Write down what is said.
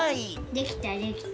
できたできた。